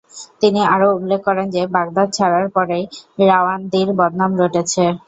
তিনি আরো উল্লেখ করেন যে, বাগদাদ ছাড়ার পরেই রাওয়ান্দির বদনাম রটেছে।